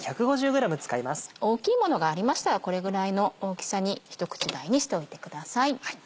大きいものがありましたらこれぐらいの大きさに一口大にしておいてください。